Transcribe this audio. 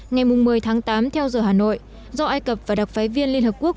ngày một mươi tháng tám theo giờ hà nội do ai cập và đặc phái viên liên hợp quốc